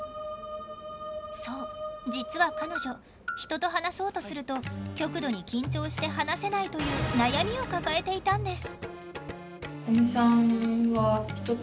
そう実は彼女人と話そうとすると極度に緊張して話せないという悩みを抱えていたんです。